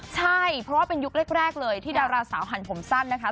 ใช่เพราะว่าเป็นยุคแรกเลยที่ดาราสาวหันผมสั้นนะคะ